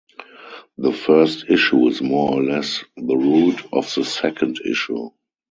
The first issue is more or less the root of the second issue.